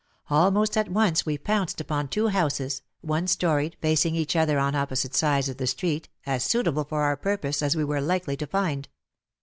Almost at once we pounced upon two houses, one storied, facing each other on opposite sides of the street, as suitable for our purpose as we were likely to find.